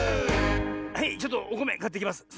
はいちょっとおこめかってきます。